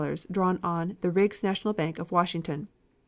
146 for $150 drawn on the Riggs National Bank of Washington.